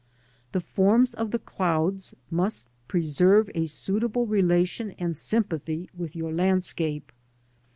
The forms "of the clouds must preserve a suitable relation and sympathy with your landscape.